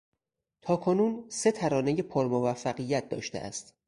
تاکنون سه ترانهی پر موفقیت داشته است.